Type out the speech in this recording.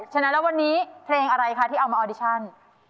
ฉะนั้นแล้ววันนี้เพลงอะไรคะที่เอามาออดิชั่น